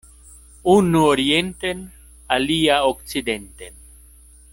Unu orienten, alia okcidenten.